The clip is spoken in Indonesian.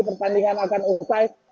pertandingan akan usai